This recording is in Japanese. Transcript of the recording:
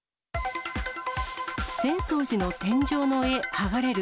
浅草寺の天井の絵、剥がれる。